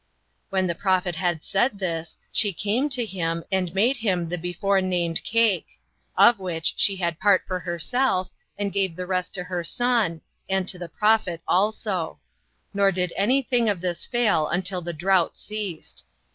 When the prophet had said this, she came to him, and made him the before named cake; of which she had part for herself, and gave the rest to her son, and to the prophet also; nor did any thing of this fall until the drought ceased.